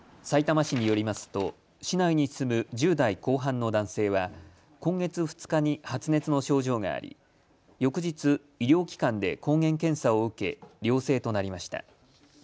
さいたま市によりますと市内に住む１０代後半の男性は今月２日に発熱の症状があり翌日、医療機関で抗原検査を受け陽性となりました。